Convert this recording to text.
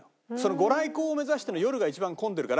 御来光を目指しての夜が一番混んでるから。